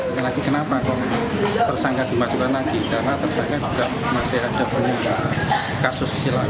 tidak lagi kenapa persangka dimasukkan lagi karena tersangka juga masih ada penyelamat kasus asusila